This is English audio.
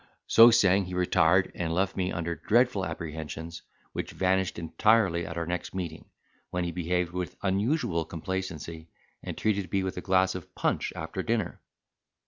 So saying, he retired, and left me under dreadful apprehensions, which vanished entirely at our next meeting, when he behaved with unusual complacency, and treated me with a glass of punch after dinner.